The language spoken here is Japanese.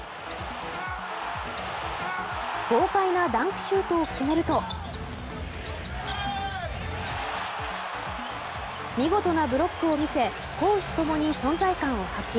豪快なダンクシュートを決めると見事なブロックを見せ攻守共に存在感を発揮。